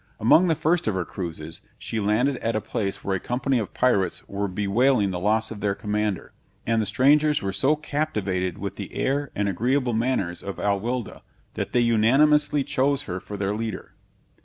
Among the first of her cruises, she landed at a place where a company of pirates were bewailing the loss of their commander; and the strangers were so captivated with the air and agreeable manners of Alwilda, that they unanimously chose her for their leader.